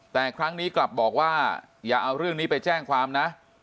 แต่ครั้งนี้กลับบอกว่าอย่าเอาเรื่องนี้ไปแจ้งความนะ